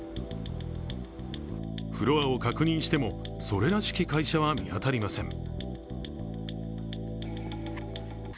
フロアを確認してもそれらしき会社は見当たりません。